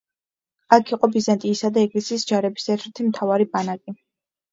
აქ იყო ბიზანტიისა და ეგრისის ჯარების ერთ-ერთი მთავარი ბანაკი.